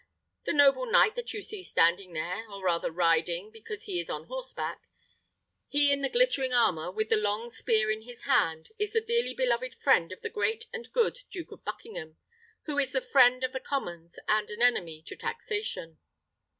The noble knight that you see standing there, or rather riding, because he is on horseback: he in the glittering armour, with a long spear in his hand, is the dearly beloved friend of the great and good Duke of Buckingham, who is the friend of the commons and an enemy to taxation."